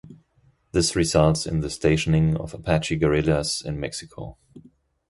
This results in the stationing of Apache guerillas in Mexico.